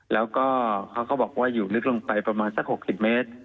แล้วก็เขาก็บอกว่าอยู่ลึกลงไปประมาณสัก๖๐เมตร